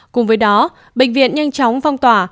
cùng với đó bệnh viện nhanh chóng phong tỏa